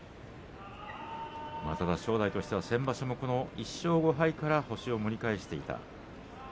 正代は先場所も１勝５敗から星を盛り返していきました。